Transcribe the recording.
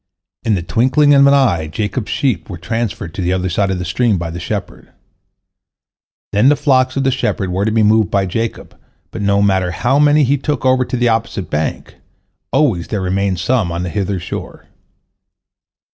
In the twinkling of an eye Jacob's sheep were transferred to the other side of the stream by the shepherd. Then the flocks of the shepherd were to be moved by Jacob, but no matter how many he took over to the opposite bank, always there remained some on the hither shore.